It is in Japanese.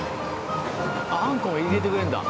あんこも入れてくれるんだ。